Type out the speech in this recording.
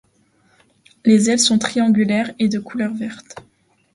Les ailes sont triangulaires et de couleur verte.